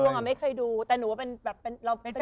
ดวงอะไม่เคยดูแต่หนูว่าเป็นแบบเป็นแฟนชัด